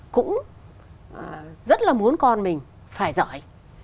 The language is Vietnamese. cũng rất là muốn con mình phải giỏi